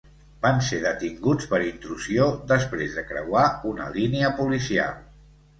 Van ser detinguts per intrusió després de creuar una línia policial.